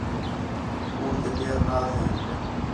کُوڑ تے پیر نا تھئین